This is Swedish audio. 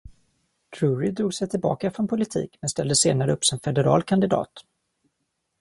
Drury drog sig tillbaka från politik, men ställde senare upp som federal kandidat.